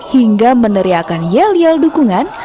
hingga meneriakan yel yel dukungan